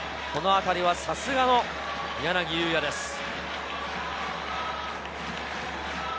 このあたりはさすがの柳裕也です。